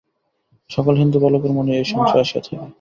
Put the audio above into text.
সকল হিন্দু বালকের মনেই এই সংশয় আসিয়া থাকে।